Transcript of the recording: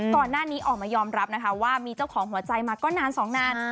ก่อนหน้านี้ออกมายอมรับนะคะว่ามีเจ้าของหัวใจมาก็นานสองนาน